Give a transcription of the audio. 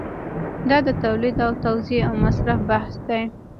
دا د تولید او توزیع او مصرف بحث دی.